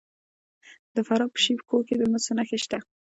د فراه په شیب کوه کې د مسو نښې شته.